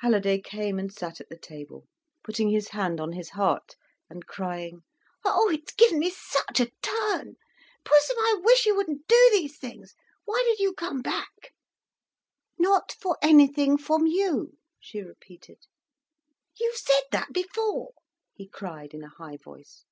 Halliday came and sat at the table, putting his hand on his heart, and crying: "Oh, it's given me such a turn! Pussum, I wish you wouldn't do these things. Why did you come back?" "Not for anything from you," she repeated. "You've said that before," he cried in a high voice.